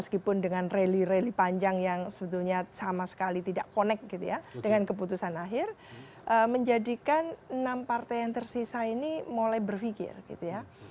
meskipun dengan rally rally panjang yang sebetulnya sama sekali tidak connect gitu ya dengan keputusan akhir menjadikan enam partai yang tersisa ini mulai berpikir gitu ya